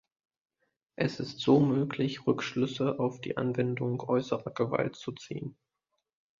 Es ist so möglich, Rückschlüsse auf die Anwendung äußerer Gewalt zu ziehen.